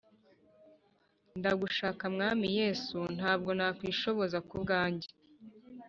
Ndagushaka mwami yesu ntabwo nakwishoboza ku bwanjye